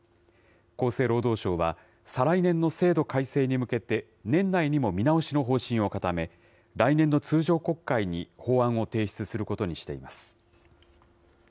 厚生労働省は、再来年の制度改正に向けて、年内にも見直しの方針を固め、来年の通常国会に法案を提出することにしています。